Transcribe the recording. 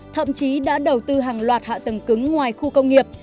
thậm chí đã đầu tư hàng loạt hạ tầng cứng ngoài khu công nghiệp